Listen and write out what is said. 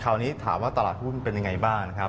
คราวนี้ถามว่าตลาดหุ้นเป็นอย่างไรบ้าง